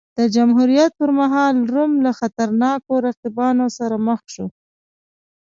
د جمهوریت پرمهال روم له خطرناکو رقیبانو سره مخ شو.